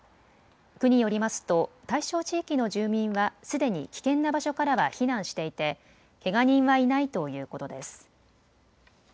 区によりますと対象地域の住民はすでに危険な場所からは避難していてけが人はいないということです。